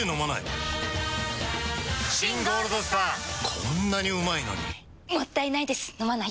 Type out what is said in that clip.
こんなにうまいのにもったいないです、飲まないと。